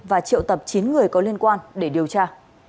và triệu tập chín người có liên quan để điều tra